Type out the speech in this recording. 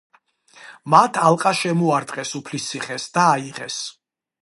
მათ ალყა შემოარტყეს უფლისციხეს და აიღეს.